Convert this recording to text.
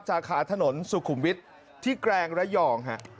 สาขาถนนสุขุมวิทย์ที่แกรงระยองฮะ